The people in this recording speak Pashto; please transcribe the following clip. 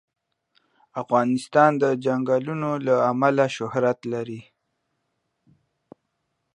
افغانستان د چنګلونه له امله شهرت لري.